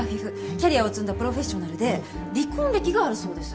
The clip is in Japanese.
キャリアを積んだプロフェッショナルで離婚歴があるそうです。